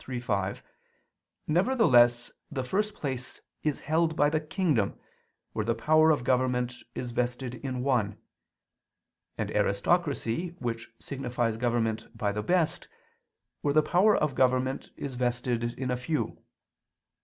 iii, 5), nevertheless the first place is held by the kingdom, where the power of government is vested in one; and aristocracy, which signifies government by the best, where the power of government is vested in a few.